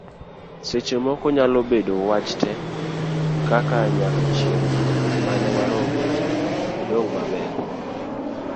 seche moko nyalo bedo wach te, kaka; nyaka chieng' mane warom, idong' maber